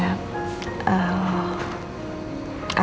aku kesini sebenarnya